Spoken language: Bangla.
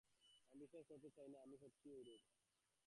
আমি বিশ্বাস করিতে চাই না যে, আমি সত্যই ঐরূপ।